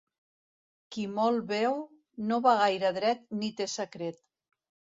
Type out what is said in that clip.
Qui molt beu, no va gaire dret ni té secret.